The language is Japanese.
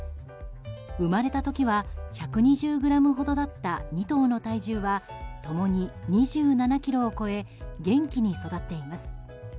生まれた時は１２０ｇほどだった２頭の体重は共に２７ｋｇを超え元気に育っています。